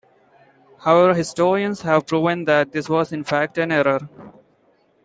However, historians have proven that this was in fact an error.